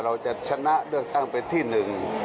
เราจะชนะเลือกตั้งเป็นที่หนึ่ง